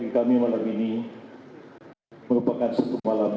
kami memberikan kesempatan